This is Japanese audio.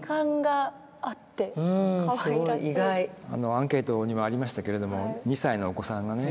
アンケートにもありましたけれども２歳のお子さんがね